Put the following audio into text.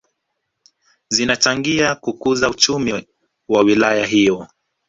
Zinachangia kukuza uchumi wa wilaya hiyo